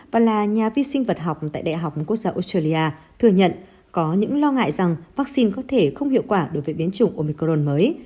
và là nhà vi sinh vật học tại đại học quốc gia australia thừa nhận có những lo ngại rằng vaccine có thể không hiệu quả đối với biến chủng omicron mới